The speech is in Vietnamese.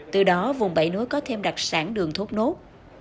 từ đó vùng bảy nối có thêm đặc sản đường thốt nốt